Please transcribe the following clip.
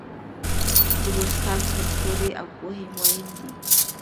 زموږ خلک پر سولي او پوهي مۀين دي.